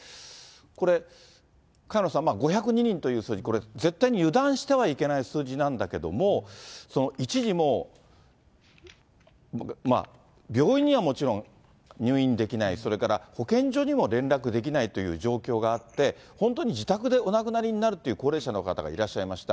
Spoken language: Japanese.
これ、萱野さん、５０２人という数字、これ、絶対に油断してはいけない数字なんだけども、一時、もう、病院にはもちろん入院できない、それから保健所にも連絡できないという状況があって、本当に自宅でお亡くなりになるという高齢者の方がいらっしゃいました。